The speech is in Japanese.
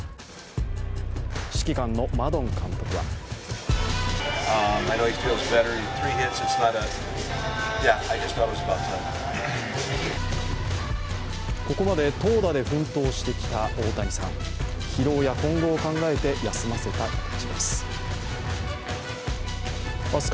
指揮官のマドン監督はここまで投打で奮闘してきた大谷さん、疲労や今後を考えて、休ませた形です。